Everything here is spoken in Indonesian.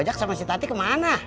jangan di dalam rumah